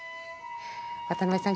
渡辺さん